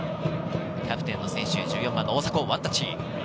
キャプテンの選手、１４番・大迫、ワンタッチ。